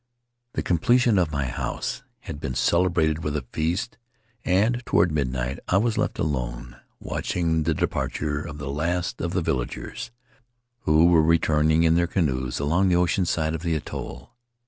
The completion of my house had been celebrated with a feast, and toward midnight I was left alone, watching the departure of the last of the villagers, who were returning in their canoes along the ocean side of the atoll.